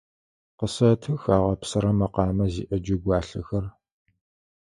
Къысэтых агъэпсырэ мэкъамэ зиӏэ джэгуалъэхэр.